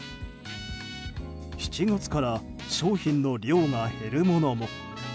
７月から商品の量が減るものも。